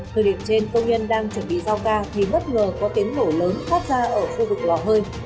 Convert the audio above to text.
thời điểm trên công nhân đang chuẩn bị giao ca khi bất ngờ có tiếng nổ lớn phát ra ở khu vực lò hơi